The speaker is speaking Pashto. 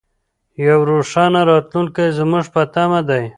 یو روښانه راتلونکی زموږ په تمه دی.